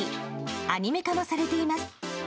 アニメ化もされています。